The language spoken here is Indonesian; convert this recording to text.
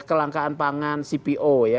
kelangkaan pangan cpo ya